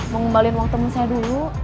mau ngembalikan waktu temu saya dulu